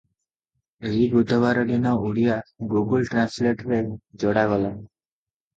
ଏଇ ବୁଧବାର ଦିନ ଓଡ଼ିଆ "ଗୁଗୁଲ ଟ୍ରାନ୍ସଲେଟ"ରେ ଯୋଡ଼ାଗଲା ।